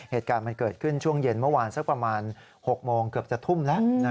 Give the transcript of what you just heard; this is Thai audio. เหตุการณ์มันเกิดขึ้นช่วงเย็นเมื่อวานสักประมาณ๖โมงเกือบจะทุ่มแล้ว